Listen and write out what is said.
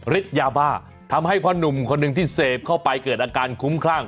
ยาบ้าทำให้พ่อหนุ่มคนหนึ่งที่เสพเข้าไปเกิดอาการคุ้มคลั่ง